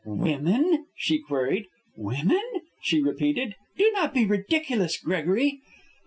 "Women?" she queried. "Women?" she repeated. "Do not be ridiculous, Gregory."